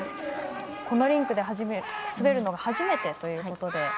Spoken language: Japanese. このリンクで滑るのは初めてということで。